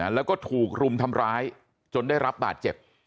แล้วก็ถูกรุมทำร้ายจนได้รับบาดเจ็บ